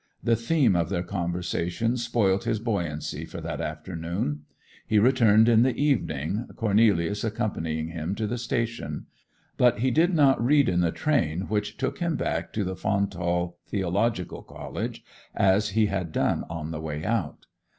The theme of their conversation spoilt his buoyancy for that afternoon. He returned in the evening, Cornelius accompanying him to the station; but he did not read in the train which took him back to the Fountall Theological College, as he had done on the way out.